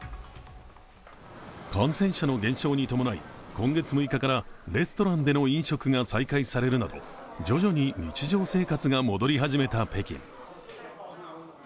感染者の減少に伴い今月６日からレストランでの飲食が再開されるなど徐々に日常生活が戻り始めた北京。